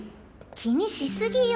気にし過ぎよ。